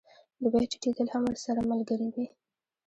د بیو ټیټېدل هم ورسره ملګري وي